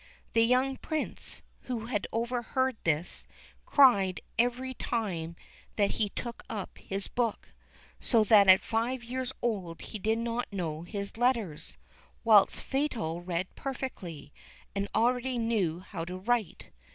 The young Prince, who had overheard this, cried every time that he took up his book so that at five years old he did not know his letters, whilst Fatal read perfectly, and already knew how to write.